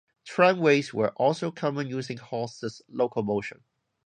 Tramways were also common using horses locomotion.